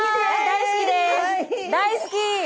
大好き！